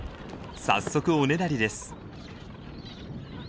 早速おねだりです。